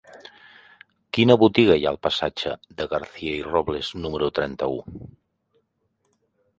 Quina botiga hi ha al passatge de Garcia i Robles número trenta-u?